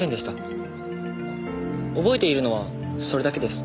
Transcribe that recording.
覚えているのはそれだけです。